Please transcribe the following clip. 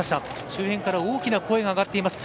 周辺から大きな声が上がっています。